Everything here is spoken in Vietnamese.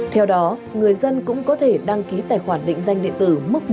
theo đó người dân cũng có thể đăng ký tài khoản định danh điện tử mức một